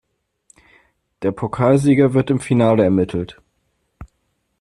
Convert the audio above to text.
Der Pokalsieger wird im Finale ermittelt.